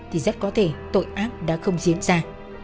thì rất có thể tội ác đã không diễn ra